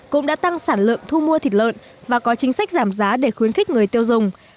cũng đã tăng sản lượng thu mua thịt lợn và có chính sách giảm giá để khuyến khích người tiêu dùng